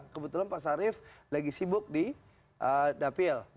kebetulan pak sarif lagi sibuk di dapil